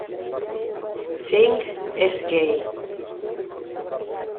Singh es gay.